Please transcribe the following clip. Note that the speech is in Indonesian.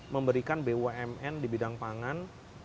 memberikan bumn di bidang pangan